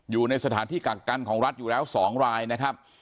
อยู่ในสถานที่กักกันของรัฐอยู่แล้ว๒รายนะครับ